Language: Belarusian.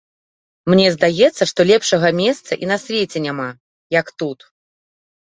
Мне здаецца, што лепшага месца і на свеце няма, як тут.